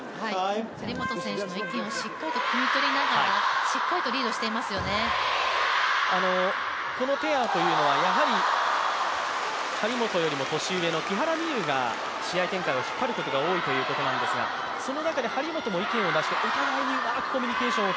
張本選手の意見をしっかりとくみ取りながら、このペアというのは張本よりも年上の木原美悠が試合展開を引っ張ることが多いということなんですがその中で張本も意見を出してお互いにうまくコミュニケーションを